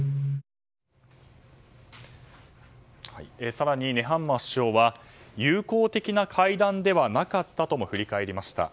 更に、ネハンマー首相は友好的な会談ではなかったとも振り返りました。